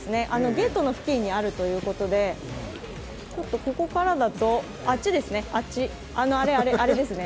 ゲートの付近にあるということであっちですね、あれですね。